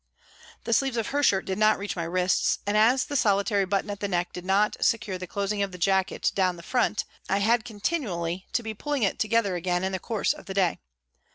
The sleeves of her shirt did not reach my wrists and as the solitary button at the neck did not secure the closing of the jacket down the front, I had continually to be pulling it together again in the course of the day.